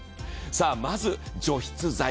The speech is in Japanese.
まず除湿剤、